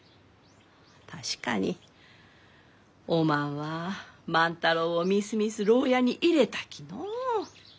確かにおまんは万太郎をみすみす牢屋に入れたきのう。